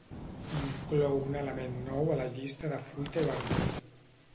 Inclou un element nou a la llista de fruita i verdura.